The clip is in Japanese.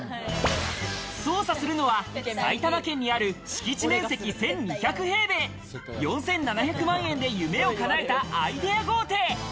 捜査するのは、埼玉県にある敷地面積１２００平米、４７００万円で夢をかなえたアイデア豪邸。